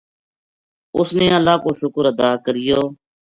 اس نے اللہ کو شکر ادا کریو